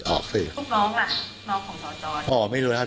ลูกน้องล่ะน้องของสนออ๋อไม่รู้ครับ